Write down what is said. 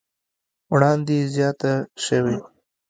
وړاندې زياته شوې